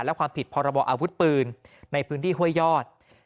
และความผิดพรบอาวุธปืนในพื้นที่ห้วยยอด